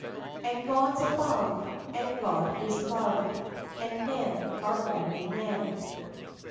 And God's above, and God is love, And men are only men.